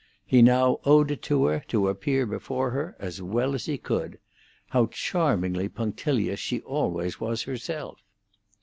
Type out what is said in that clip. He now owed it to her to appear before her as well as he could. How charmingly punctilious she always was herself!